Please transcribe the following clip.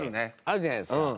あるじゃないですか。